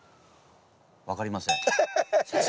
分かりません先生。